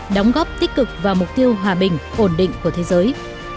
đóng góp tích cực vào mục tiêu hòa bình ổn định của thế giới